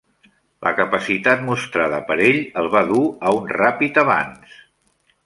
La capacitat mostrada per ell el va dur a un ràpid avanç.